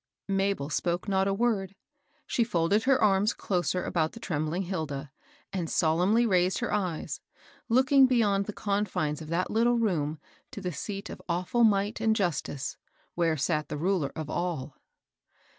Mabel spoke not a word. She folded her arms closer about the trembling Hilda, and solemnly raised her eyes, looking beyond the confines of that little room to the seat of awful might and justice, where sat the Ruler of all.